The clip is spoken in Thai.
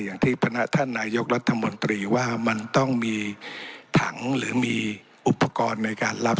อย่างที่พนักท่านนายกรัฐมนตรีว่ามันต้องมีถังหรือมีอุปกรณ์ในการรับ